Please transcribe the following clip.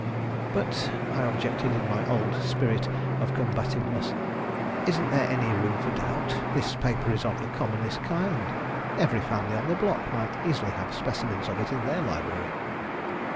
"But," I objected, in my old spirit of combativeness, "isn't there any room for doubt? This paper is of the commonest kind. Every family on the block might easily have specimens of it in their library."